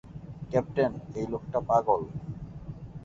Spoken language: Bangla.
ক্যাপ্টেন, এই লোকটা পাগল!